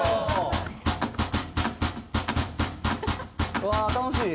うわー楽しい！